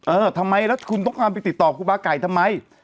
เออทำไมแล้วคุณต้องการไปติดต่อครูบาไก่ทำไม